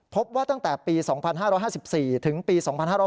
พบว่าตั้งแต่ปี๒๕๕๔ถึงปี๒๕๕๙